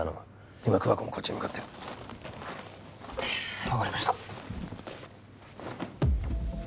今桑子もこっち向かってる分かりました